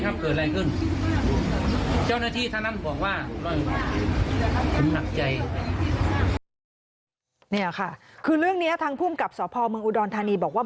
นี่ค่ะคือเรื่องนี้ทางภูมิกับสพเมืองอุดรธานีบอกว่า